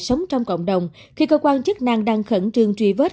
sống trong cộng đồng khi cơ quan chức năng đang khẩn trương truy vết